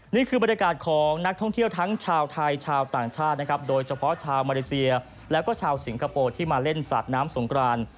นี่คือบรรยากาศของนักท่องเที่ยวทั้งชาวไทยชาวต่างชาตินะครับโดยเฉพาะชาวมาเลเซียแล้วก็ชาวสิงคโปร์ที่มาเล่นสาดน้ำสงกราน